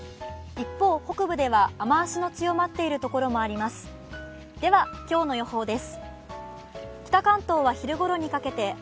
一方、北部では雨足の強まっているところもあります。